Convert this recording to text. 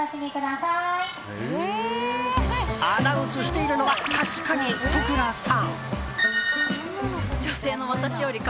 アナウンスしているのは確かに土倉さん。